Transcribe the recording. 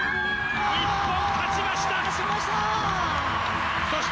日本勝ちました。